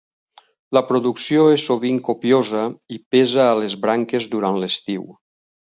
La producció és sovint copiosa i pesa a les branques durant l'estiu.